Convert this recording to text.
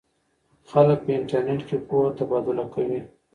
خلک په انټرنیټ کې پوهه تبادله کوي.